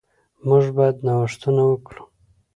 موږ باید نوښتونه وکړو.